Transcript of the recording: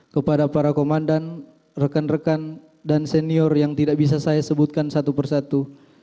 kepada para komandan rekan rekan dan senior yang tidak bisa saya sebutkan satu persatu